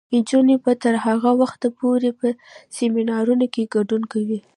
نجونې به تر هغه وخته پورې په سیمینارونو کې ګډون کوي.